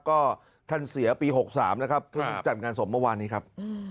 ก็ท่านเสียปี๖๓นะครับเพิ่งจัดงานศพเมื่อวานนี้ครับ